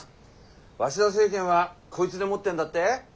鷲田政権はこいつでもってんだって。